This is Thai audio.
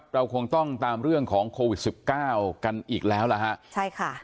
เราคงต้องตามเรื่องของโควิดสิบเก้ากันอีกแล้วล่ะฮะใช่ค่ะ